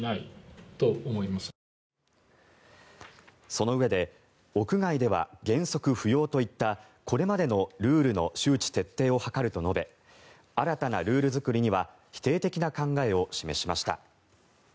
そのうえで屋外では原則不要といったこれまでのルールの周知徹底を図ると述べ新たなルール作りには否定的な考えを示しました。